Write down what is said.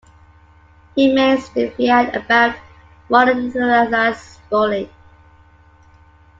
He remains defiant about Muralitharan's bowling.